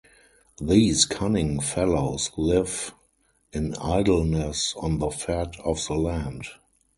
These cunning fellows live in idleness on the fat of the land.